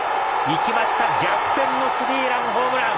いきました、逆転のスリーランホームラン。